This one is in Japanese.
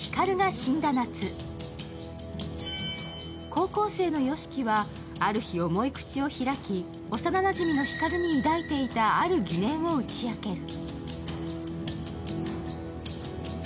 高校生のよしきはある日、重い口を開き、幼なじみの光に抱いていたある疑念を打ち明ける。